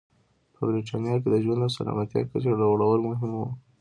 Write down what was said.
په برېټانیا کې د ژوند او سلامتیا کچې لوړول مهم و.